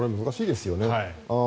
難しいですよね。